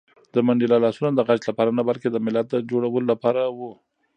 د منډېلا لاسونه د غچ لپاره نه، بلکې د ملت د جوړولو لپاره وو.